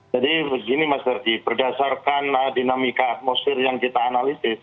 jadi begini mas ferdi berdasarkan dinamika atmosfer yang kita analisis